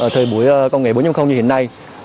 thời buổi công nghệ bốn như hiện nay